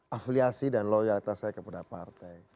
afiliasi dan loyalitas saya kepada partai